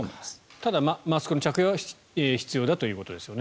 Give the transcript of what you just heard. ただ、マスクの着用は必要だということですよね。